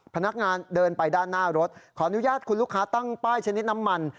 พนักงานเดินไปด้านหน้ารถขออนุญาตคุณลูกค้าตั้งป้ายชนิดน้ำมัน